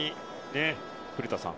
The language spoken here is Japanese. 古田さん